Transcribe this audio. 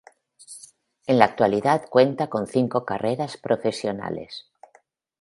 En la actualidad cuenta con cinco carreras profesionales.